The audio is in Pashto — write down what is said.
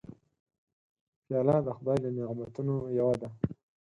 پیاله د خدای له نعمتونو یوه ده.